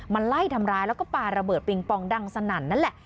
ไล่ทำร้ายแล้วก็ปาระเบิดปิงปองดังสนั่นนั่นแหละ